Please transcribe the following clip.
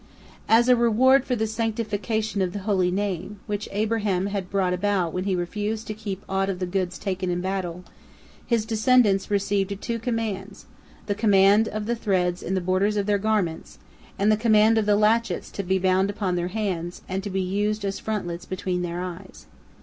As a reward for the sanctification of the Holy Name, which Abraham had brought about when he refused to keep aught of the goods taken in battle, his descendants received two commands, the command of the threads in the borders of their garments, and the command of the latchets to be bound upon their hands and to be used as frontlets between their eyes.